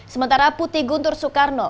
sementara putih guntur soekarno